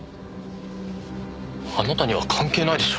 あなたには関係ないでしょ。